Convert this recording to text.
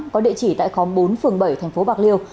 có địa chỉ tại khóm bốn phường bảy tp bạc liêu